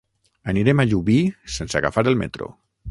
Anirem a Llubí sense agafar el metro.